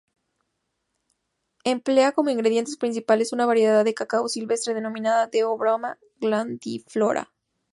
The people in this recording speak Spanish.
Emplea como ingrediente principal una variedad de cacao silvestre denominada "theobroma grandiflora".